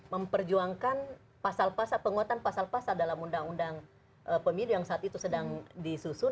memperjuangkan pasal pasal penguatan pasal pasal dalam undang undang pemilu yang saat itu sedang disusun